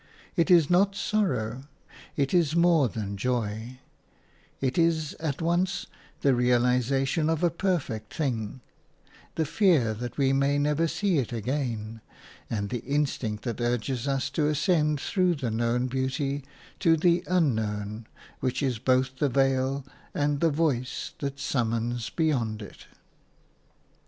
It is not sorrow; it is more than joy; it is at once the realization of a perfect thing, the fear that we may never see it again, and the instinct that urges us to ascend through the known beauty to the unknown which is both the veil and the voice that summons beyond it.